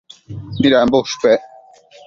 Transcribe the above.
Midambo ushpec